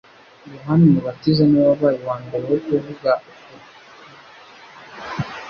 Yohana umubatiza ni we wabaye uwa mbere wo kuvuga ukuza k’ubwami bwa Kristo;